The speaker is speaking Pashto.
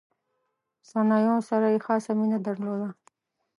صنایعو سره یې خاصه مینه درلوده.